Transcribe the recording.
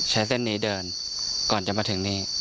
ใช้เส้นนี้เดินก่อนจะมาถึงนี้